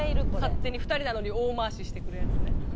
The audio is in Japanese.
勝手に２人なのに大回ししてくるヤツね。